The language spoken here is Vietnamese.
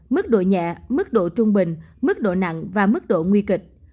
mức độ nhẹ mức độ trung bình mức độ nặng và mức độ nguy kịch